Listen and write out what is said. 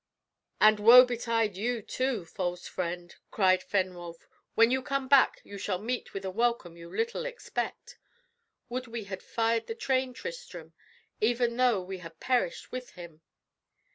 "And woe betide you too, false fiend!" cried Fenwolf. "When you come back you shall meet with a welcome you little expect. Would we had fired the train, Tristram, even though we had perished with him!"